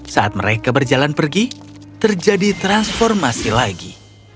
saat mereka berjalan pergi terjadi transformasi lagi